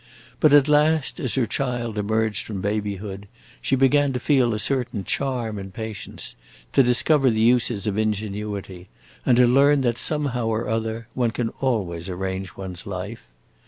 But at last, as her child emerged from babyhood, she began to feel a certain charm in patience, to discover the uses of ingenuity, and to learn that, somehow or other, one can always arrange one's life.